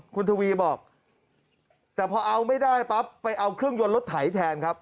คุณทวีบอกแต่พอเอาไม่ได้ปั๊บไปเอาเครื่องยนต์รถไถแทนครับ